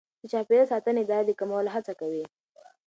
د چاپیریال ساتنې اداره د کمولو هڅه کوي.